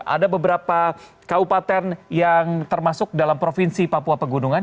ada beberapa kabupaten yang termasuk dalam provinsi papua pegunungan